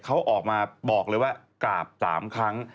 เขาออกมาบอกเลยว่ากราบ๓ครั้ง